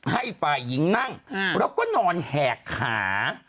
ให้ฝ่ายหญิงนั่งแล้วก็นอนแหกขา